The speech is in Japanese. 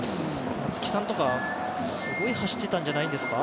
松木さんとか、すごい走ってたんじゃないですか？